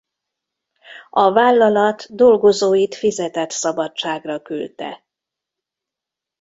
A vállalat dolgozóit fizetett szabadságra küldte.